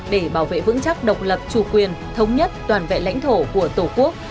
để bảo vệ vững chắc độc lập chủ quyền thống nhất toàn vẹn lãnh thổ của tổ quốc